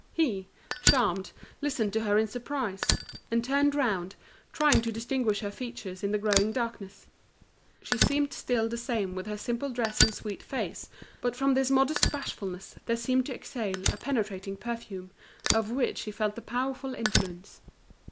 He, charmed, listened to her in surprise; and turned round, trying to distinguish her features in the growing darkness. She seemed still the same with her simple dress and sweet face; but from this modest bashfulness, there seemed to exhale a penetrating perfume, of which he felt the powerful influence.